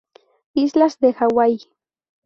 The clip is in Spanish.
Islas de Hawai.